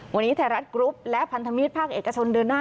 วันนี้ไทยรัฐกรุ๊ปและพันธมิตรภาคเอกชนเดินหน้า